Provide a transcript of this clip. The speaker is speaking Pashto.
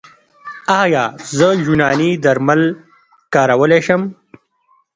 ایا زه یوناني درمل کارولی شم؟